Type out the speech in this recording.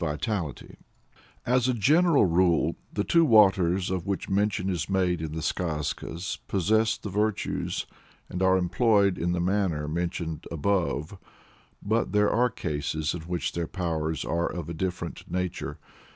"] As a general rule, the two waters of which mention is made in the Skazkas possess the virtues, and are employed in the manner, mentioned above; but there are cases in which their powers are of a different nature.